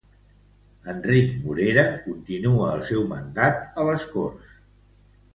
Enric Morera continua el seu mandat a les Corts